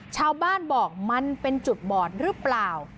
ชาวบ้านบอกมันเป็นจุดบอดหรือเปล่า